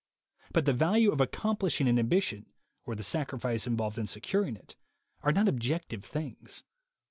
But the value of accomplishing an ambition, or the sacrifice involved in securing it, are not objective things.